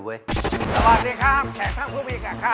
สวัสดีครับแทนท่านผู้พิกัดครับ